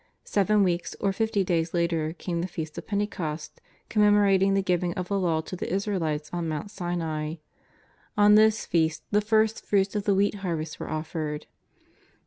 Seven weeks, or fifty days later, came the Feast of Pentecost, com memorating the giving of the Law to the Israelites on Mount Sinai. On this Feast the first fruits of the wheat harvest were offered.